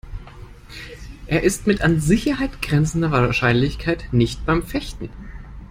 Er ist mit an Sicherheit grenzender Wahrscheinlichkeit nicht beim Fechten.